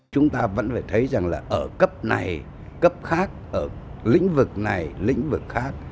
chúng ta vẫn phải thấy rằng là ở cấp này cấp khác ở lĩnh vực này lĩnh vực khác